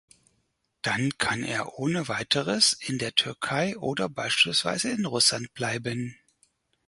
Dann kann er ohne weiteres in der Türkei oder beispielsweise in Russland bleiben.